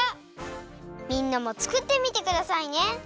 みんなもつくってみてくださいね。